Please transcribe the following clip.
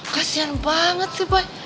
kasian banget sih boy